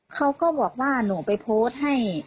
เขาก็บอกว่าหนูไปโพสต์ให้